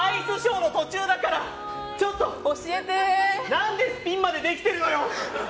何でスピンまでできてるのよ。